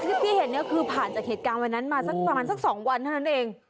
ที่พี่เห็นเนี่ยคือผ่านจากเหตุการณ์วันนั้นมาสักประมาณสัก๒วันเท่านั้นเอง